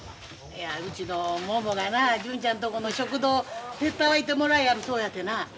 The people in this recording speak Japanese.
うちのももがな純ちゃんとこの食堂手伝わいてもらいやるそうやてな。